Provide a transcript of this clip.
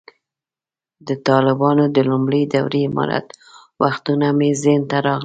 د طالبانو د لومړۍ دورې امارت وختونه مې ذهن ته راغلل.